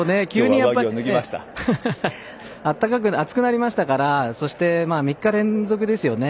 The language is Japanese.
暑くなりましたからそして、３日連続ですよね。